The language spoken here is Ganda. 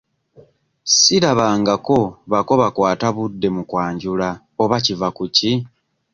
Sirabangako bako bakwata budde mu kwanjula oba kiva ku ki?